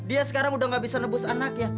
dia sekarang sudah tidak bisa menembus anaknya